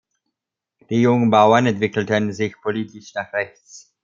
Die Jungbauern entwickelten sich politisch nach rechts.